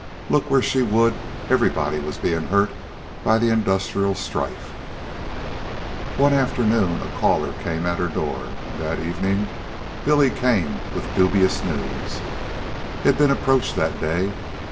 Look where she would, everybody was being hurt by the industrial strife. One afternoon came a caller at her door, and that evening came Billy with dubious news. He had been approached that day.